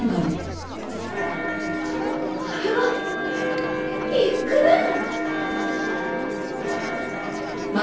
・あれはビッグベン！？